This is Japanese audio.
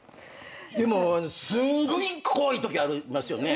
でもすんごい怖いときありますよね。